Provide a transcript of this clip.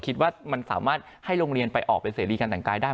คิดว่ามันสามารถให้โรงเรียนไปออกเป็นเสรีการแต่งกายได้